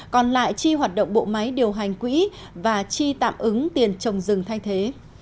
còn lại chi hoạt động bộ máy điều hành quỹ và chi tạm ứng tiền trồng rừng thay thế